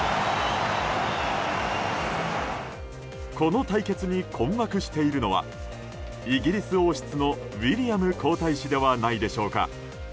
この対決に困惑しているのはイギリス王室のウィリアム皇太子ではないでしょうか。